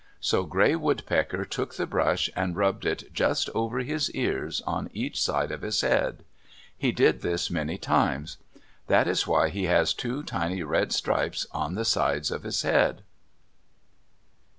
So Gray Woodpecker took the brush and rubbed it just over his ears, on each side of his head. He did this many times. That is why he has two tiny red stripes on the sides of his head.